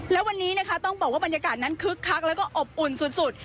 และวันนี้นะคะต้องบอกว่าบรรยากาศนั้นคึกคักแล้วก็อบอุ่นสุด